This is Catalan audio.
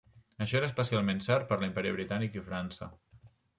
Això era especialment cert per l'Imperi Britànic i França.